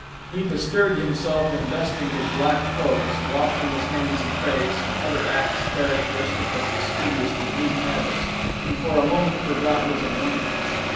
He bestirred himself in dusting his black clothes, washing his hands and face, and other acts characteristic of his studiously neat habits, and for a moment forgot his annoyance.